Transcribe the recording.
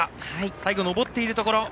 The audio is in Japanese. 最後、上っているところ。